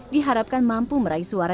diharapkan mampu meraih suara